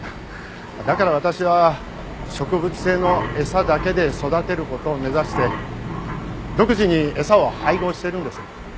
だから私は植物性の餌だけで育てる事を目指して独自に餌を配合しているんです。